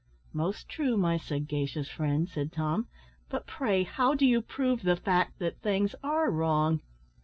"Most true, my sagacious friend," said Tom; "but, pray, how do you prove the fact that things are wrong?"